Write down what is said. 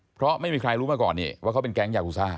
เพราะไม่มีใครรู้มาก่อนนี่ว่าเขาเป็นแก๊งยากูซ่า